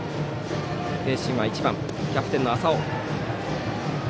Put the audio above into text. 盈進は１番、キャプテンの朝生。